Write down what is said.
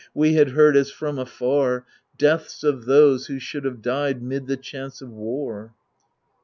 We had heard as from afar Deaths of those who should have died 'Mid the chance of war.